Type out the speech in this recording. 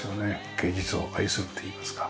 芸術を愛するっていいますか。